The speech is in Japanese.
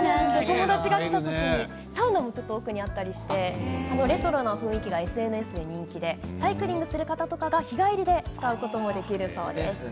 奥にサウナもあったりしてレトロな雰囲気がＳＮＳで人気でサイクリングをする方が日帰りで使うこともできるそうです。